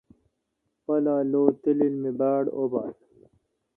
پالا لو تلیل می باڑ ابال؟